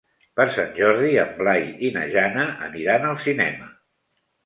Per Sant Jordi en Blai i na Jana aniran al cinema.